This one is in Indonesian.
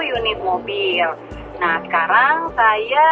unit mobil nah sekarang saya